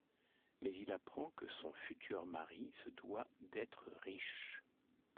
Mais il apprend que son futur mari se doit d'être riche.